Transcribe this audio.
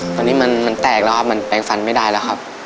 ตอนนี้มันแตกแล้วครับมันแปลงฟันไม่ได้แล้วครับ